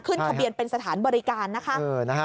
ทะเบียนเป็นสถานบริการนะคะ